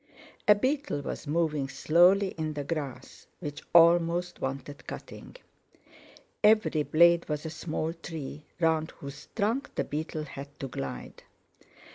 A beetle was moving slowly in the grass, which almost wanted cutting. Every blade was a small tree, round whose trunk the beetle had to glide.